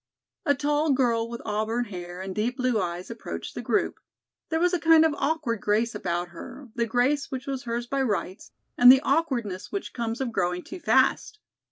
A tall girl with auburn hair and deep blue eyes approached the group. There was a kind of awkward grace about her, the grace which was hers by rights and the awkwardness which comes of growing too fast.